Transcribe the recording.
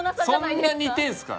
そんな似てるんですか？